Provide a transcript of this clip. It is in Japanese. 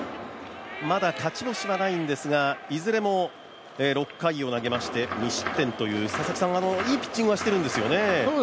まだ勝ち星はないんですが、いずれも６回を投げまして２失点という佐々木さん、いいピッチングはしているんですよね。